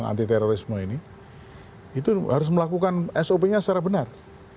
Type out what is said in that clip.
anti terorisme ini itu harus melakukan sop nya secara benar